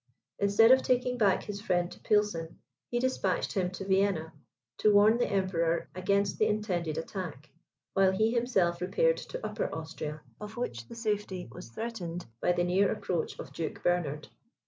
Instead of taking back his friend to Pilsen, he despatched him to Vienna, to warn the Emperor against the intended attack, while he himself repaired to Upper Austria, of which the safety was threatened by the near approach of Duke Bernard.